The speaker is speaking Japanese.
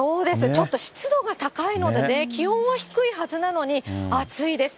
ちょっと湿度が高いのでね、気温は低いはずなのに、暑いです。